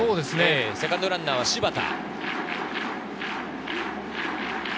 セカンドランナーは柴田。